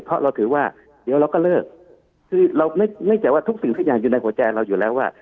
เพราะเราถือว่าเดี๋ยวเราก็เลิกคือเราเนื่องจากว่าทุกสิ่งทุกอย่างอยู่ในหัวใจเราอยู่แล้วว่า